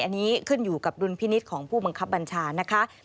อันนี้ขึ้นอยู่กับดุลพินิษฐ์ของผู้บังคับบัญชานะคะ